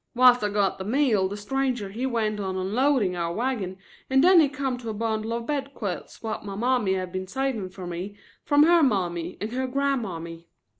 Whilst I got the meal the stranger he went on unloading our wagon and then he come to a bundle of bed quilts what my mammy have been saving fer me from her mammy and her grandmammy.